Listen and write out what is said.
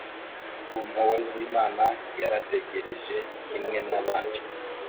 ku mpuhwe z’imana. yarategereje kimwe n’abandi